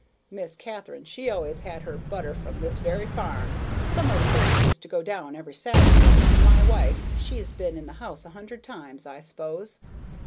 Miss Katharine, she always had her butter from this very farm. Some of the folks used to go down every Saturday, and my wife, she's been in the house a hundred times, I s'pose.